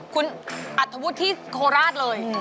คุณอาจจะพูดที่โคลาศเลย